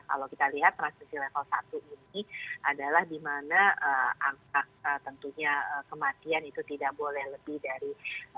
kalau kita lihat transmisi level satu ini adalah dimana angka tentunya kematian itu tidak boleh lebih dari satu